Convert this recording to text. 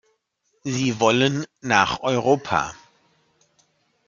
Sie wollen nach Europa.